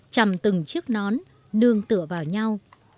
chằm từng chiếc nón nương tựa vào nhau